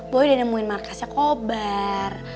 boy udah nemuin markasnya kobar